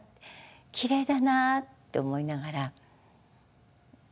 きれいだな」って思いながら憧れました。